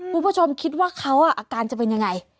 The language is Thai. คุณผู้ชมคิดว่าเขาอาการจะเป็นยังไง